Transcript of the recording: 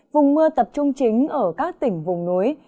vùng mưa tập trung chính ở các tỉnh vùng núi